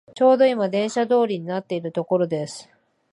ちょうどいま電車通りになっているところです